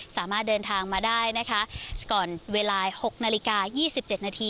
สามารถเดินทางมาได้นะคะก่อนเวลา๖น๒๗น